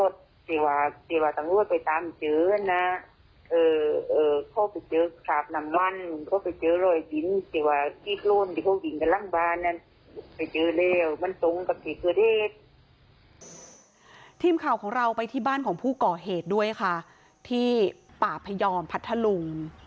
ทีมข่าวของเราไปที่บ้านของผู้ก่อเหตุด้วยค่ะที่ป่าพยอมพัทธลุง